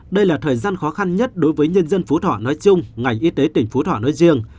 đây là thời gian khó khăn nhất đối với nhân dân phú thọ nói chung ngành y tế tỉnh phú thọ nói riêng